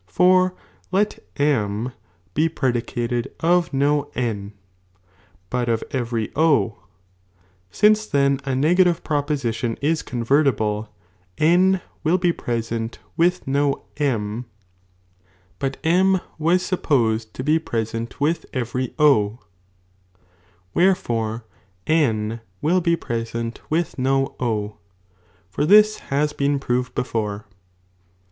For let M he predicated of do N, but of every ; since then a negative proposition is convertible, N will bo present with no M ; but M was supposed to be pre sent with every O, wherefore N will be present with no 0, for this has been proved before.